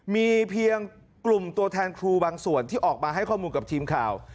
มีเพียงกลุ่มตัวแทนครูบางส่วนที่ออกมาให้ข้อมูลกับทีมข่าว